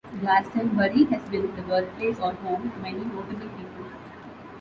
Glastonbury has been the birthplace or home to many notable people.